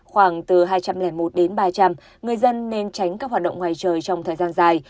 khoảng từ hai trăm linh một đến ba trăm linh người dân nên tránh các hoạt động ngoài trời trong thời gian dài